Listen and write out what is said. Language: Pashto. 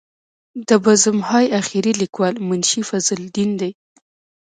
د بزم های اخیر لیکوال منشي فضل الدین دی.